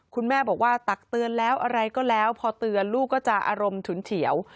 คุณแม่บอกว่าตักเตือนแล้วอะไรก็แล้วพอเตือนลูกก็จะอารมณ์ฉุนเฉียว